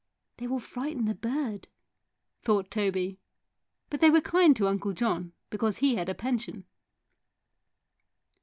"They will frighten the bird," thought Toby; but they were kind to Uncle John because he had a pension.